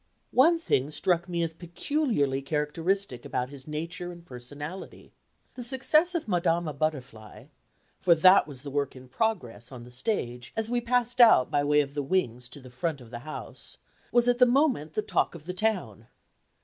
One thing struck me as peculiarly characteristic about his nature and personality. The success of Madama Butterfly for that was the work in progress on the stage as we passed out by way of the "wings" to the front of the house was at the moment the talk of the town.